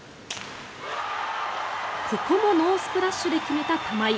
ここもノースプラッシュで決めた玉井。